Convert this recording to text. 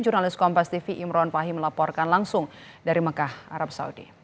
jurnalis kompas tv imron pahi melaporkan langsung dari mekah arab saudi